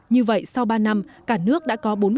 như vậy sau ba năm cả nước đã có bốn mươi